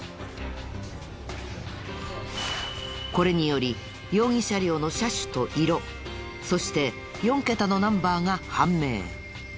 これにより容疑車両の車種と色そして４ケタのナンバーが判明。